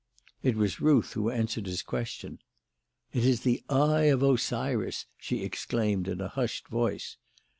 It was Ruth who answered his question. "It is the Eye of Osiris!" she exclaimed, in a hushed voice.